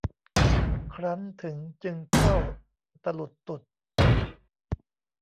ครั้นถึงจึงเข้าตะหลุดตุด